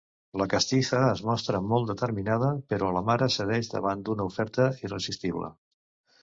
La Castiza es mostra molt determinada, però la mare cedeix davant d'una oferta irresistible.